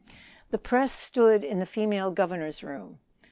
The press stood in the female governor's room.